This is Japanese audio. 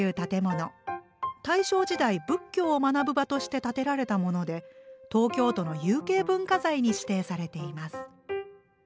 大正時代仏教を学ぶ場として建てられたもので東京都の有形文化財に指定されています。